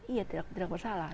iya tidak bersalah